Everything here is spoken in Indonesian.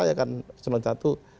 ya kan eselon i